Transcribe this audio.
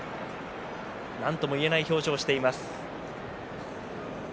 なんとも言えない表情をしています。